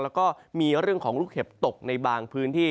แล้วก็มีเรื่องของลูกเห็บตกในบางพื้นที่